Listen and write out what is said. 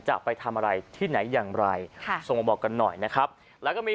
จะไปทำอะไรที่ไหนอย่างไรค่ะส่งมาบอกกันหน่อยนะครับแล้วก็มี